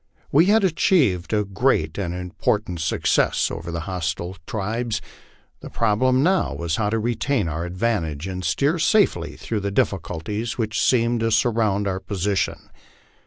We had achieved a great and important suc cess over the hostile tribes ; the problem now was how to retain our advantage and steer safely through the difficulties which seemed to surround our posi tion.